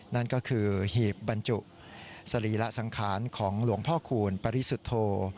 นั่นก็คือหีบบรรจุสรีระสังขารของหลวงพ่อคูณปริสุทธโธ